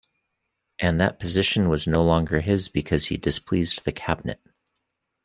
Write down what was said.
And that position was no longer his because he displeased the Cabinet.